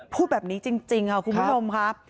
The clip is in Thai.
พูดแบบนี้จริงคุณพิธรมครับ